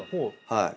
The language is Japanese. はい。